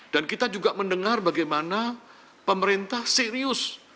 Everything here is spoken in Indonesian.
dan kita juga mendengar bagaimana pemerintah serius